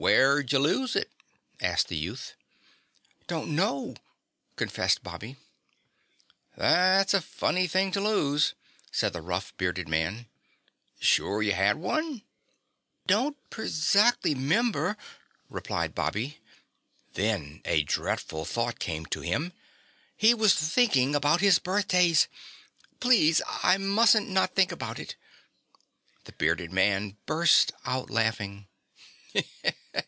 "Where'd ja lose it?" asked the youth. "Don't know," confessed Bobby. "That's a funny thing to lose," said the rough, bearded man. "Sure you had one?" "Don't perzactly 'member," replied Bobby. Then a dreadful thought came to him: he was thinking about his birthdays! "Please, I musn't not think about it." The bearded man burst out laughing.